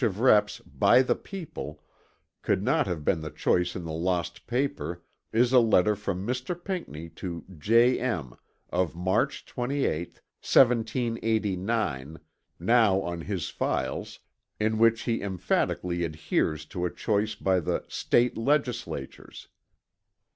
of Reps. by the people could not have been the choice in the lost paper is a letter from Mr. Pinckney to J. M. of March 28, 1789, now on his files, in which he emphatically adheres to a choice by the _State Legrs.